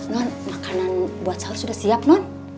non makanan buat saya sudah siap non